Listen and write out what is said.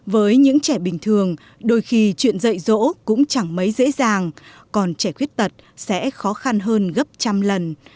với những trẻ bình thường đôi khi chuyện dạy dỗ cũng chẳng mấy dễ dàng còn trẻ khuyết tật sẽ khó khăn hơn gấp trăm lần